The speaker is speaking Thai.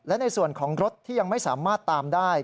และในส่วนของรถที่ยังไม่สามารถตามได้